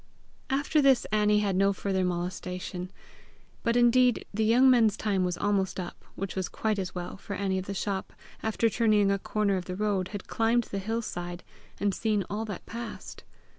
After this Annie had no further molestation. But indeed the young men's time was almost up which was quite as well, for Annie of the shop, after turning a corner of the road, had climbed the hill side, and seen all that passed.